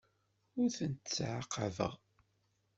Ur tent-ttɛaqabeɣ.